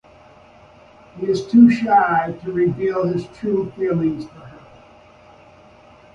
He is too shy to reveal his true feelings for her.